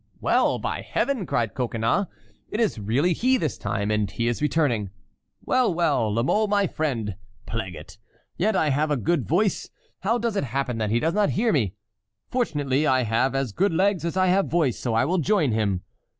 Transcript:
"Well! by Heaven!" cried Coconnas; "it is really he this time, and he is returning. Well! well! La Mole, my friend! Plague it! Yet I have a good voice. How does it happen that he does not hear me? Fortunately I have as good legs as I have voice, so I will join him."